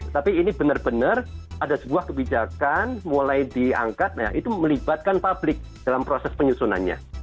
tapi ini benar benar ada sebuah kebijakan mulai diangkat nah itu melibatkan publik dalam proses penyusunannya